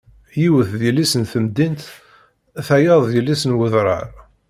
Yiwet d yelli-s n temdint, tayeḍ d yelli-s n wedrar.